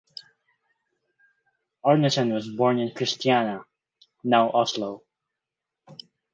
Arnesen was born in Kristiania (now Oslo).